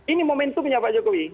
ini momentumnya pak jokowi